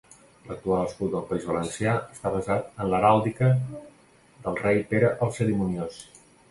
L'actual escut del País Valencià està basat en l'heràldica del rei Pere el Cerimoniós.